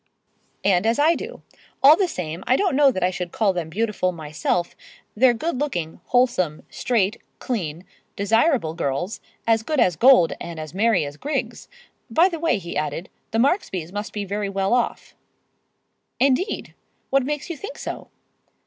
"And as I do. All the same, I don't know that I should call them beautiful myself. They're good looking, wholesome, straight, clean, desirable girls, as good as gold and as merry as grigs. By the way," he added, "the Marksbys must be very well off." "Indeed! What makes you think so?"